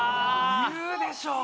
言うでしょう。